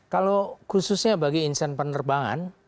kalau khususnya bagi insan penerbangan